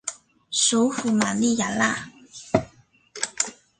首府玛利亚娜。